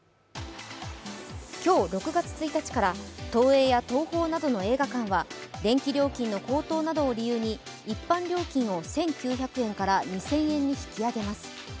今日、６月１日から東映や東宝などの映画館は電気料金の高騰などを理由に一般料金を１９００円から２０００円に引き上げます。